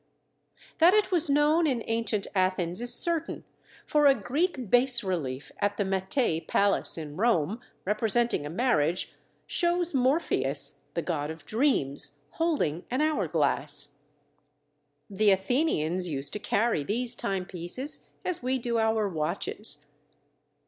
That it was known in ancient Athens is certain, for a Greek bas relief at the Mattei Palace in Rome, representing a marriage, shows Morpheus, the god of dreams, holding an hour glass. The Athenians used to carry these timepieces as we do our watches.